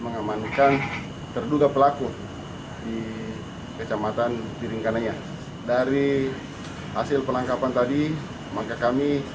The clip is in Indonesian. mengamankan terduga pelaku di kecamatan biringkanaya dari hasil penangkapan tadi maka kami